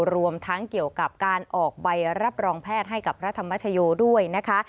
รวมทั้งเกี่ยวกับการออกใบรับรองแพทย์ให้กับพระธรรมชโยด้วยนะคะ